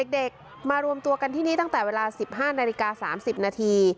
เด็กมารวมตัวกันที่นี่ตั้งแต่เวลา๑๕นาฬิกา๓๐นาที